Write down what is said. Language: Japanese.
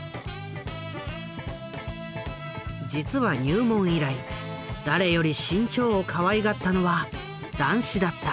実は入門以来誰より志ん朝をかわいがったのは談志だった。